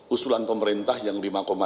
usulan pemerintah yang lima empat